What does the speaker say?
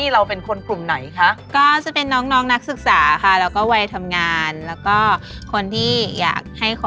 เรื่องมันเป็นอย่างนี้นี่เลย